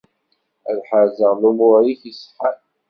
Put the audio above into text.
Ad ḥerzeɣ lumur-ik iṣeḥḥan.